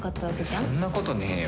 そんなことねえよ。